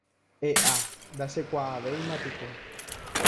E'a, ndachekuaavéimapiko.